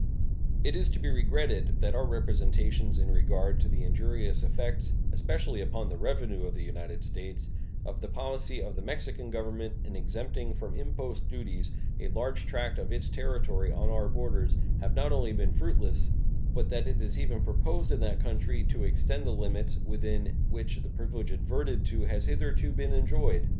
It is to be regretted that our representations in regard to the injurious effects, especially upon the revenue of the United States, of the policy of the Mexican Government in exempting from impost duties a large tract of its territory on our borders have not only been fruitless, but that it is even proposed in that country to extend the limits within which the privilege adverted to has hitherto been enjoyed.